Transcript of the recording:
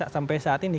sampai saat ini